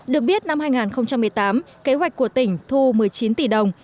được biết năm hai nghìn một mươi tám kế hoạch của tỉnh thu một mươi chín tỷ đồng